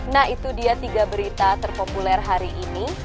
nah itu dia tiga berita terpopuler hari ini